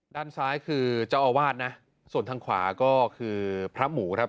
ด้านซ้ายคือเจ้าอาวาสนะส่วนทางขวาก็คือพระหมูครับ